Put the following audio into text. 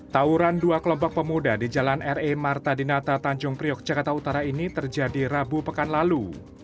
tauran dua kelompok pemuda di jalan re marta dinata tanjung priok jakarta utara ini terjadi rabu pekan lalu